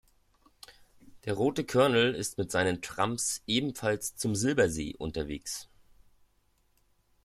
Der rote Cornel ist mit seinen Tramps ebenfalls zum Silbersee unterwegs.